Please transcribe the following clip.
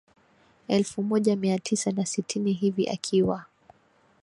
Elfu moja mia tisa na sitini hivi akiwa